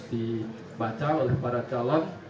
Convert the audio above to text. dibaca oleh para calon